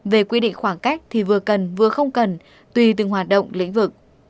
về quy định khoảng cách thì vừa cần vừa không cần tùy từng hoạt động lĩnh vực